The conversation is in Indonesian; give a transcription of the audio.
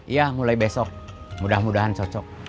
iya mulai besok mudah mudahan cocok